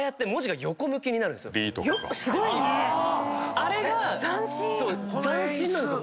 あれが斬新なんですよ。